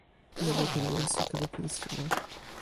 mi lukin lon sike lukin sina.